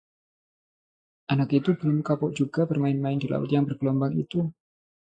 anak itu belum kapok juga bermain-main di laut yang bergelombang itu